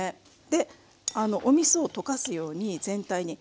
でおみそを溶かすように全体に。